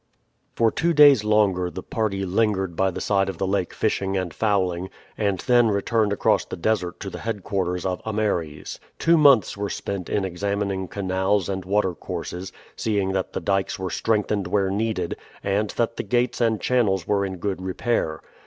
For two days longer the party lingered by the side of the lake fishing and fowling, and then returned across the desert to the headquarters of Ameres. Two months were spent in examining canals and water courses, seeing that the dykes were strengthened where needed, and that the gates and channels were in good repair.